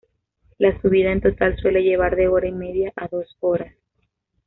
La subida en total suele llevar de hora y media a dos horas.